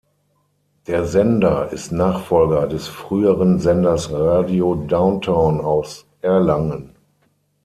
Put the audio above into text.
Der Sender ist Nachfolger des früheren Senders Radio Downtown aus Erlangen.